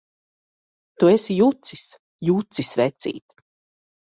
Tu esi jucis! Jucis, vecīt!